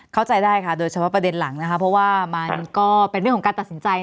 เข้าใจได้ค่ะโดยเฉพาะประเด็นหลังนะคะเพราะว่ามันก็เป็นเรื่องของการตัดสินใจ